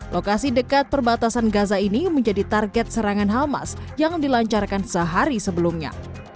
lokasi dekat perbatasan gaza ini menjadi target serangan hamas yang dilancarkan sehari sebelumnya